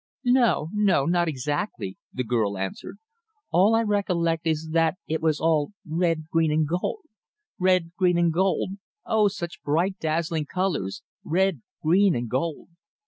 "No no, not exactly," the girl answered. "All I recollect is that it was all red, green and gold oh! such bright dazzling colours red, green and gold!